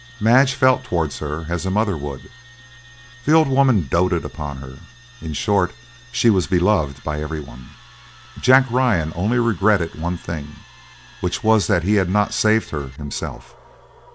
Madge felt towards her as a mother would; the old woman doted upon her; in short, she was beloved by everybody. Jack Ryan only regretted one thing, which was that he had not saved her himself.